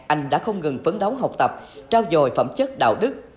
anh đã không ngừng phấn đấu học tập trao dồi phẩm chất đạo đức